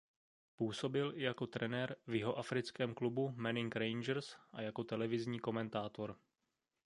Působil i jako trenér v jihoafrickém klubu Manning Rangers a jako televizní komentátor.